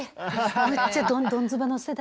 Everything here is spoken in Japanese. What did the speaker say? めっちゃどんズバの世代。